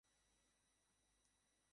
আপনার সুন্দরী বন্ধু, ক্লান্ত হয়ে গেছে।